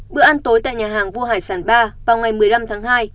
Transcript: bữa ăn tối tại nhà hàng vua hải sản ba vào ngày một mươi năm tháng hai